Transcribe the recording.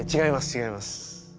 違います。